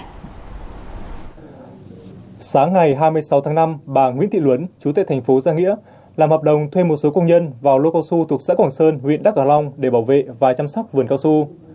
sáng ngày hai mươi sáu tháng năm bà nguyễn thị luấn chú tệ thành phố giang nghĩa làm hợp đồng thuê một số công nhân vào lô cao su thuộc xã quảng sơn huyện đắk hạ long để bảo vệ và chăm sóc vườn cao su